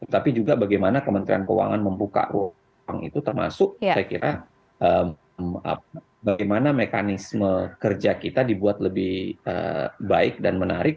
tapi juga bagaimana kementerian keuangan membuka ruang itu termasuk saya kira bagaimana mekanisme kerja kita dibuat lebih baik dan menarik